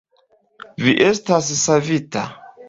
Vi estas savita!